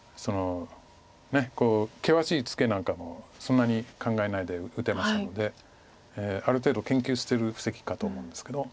こう険しいツケなんかもそんなに考えないで打てますのである程度研究してる布石かと思うんですけど。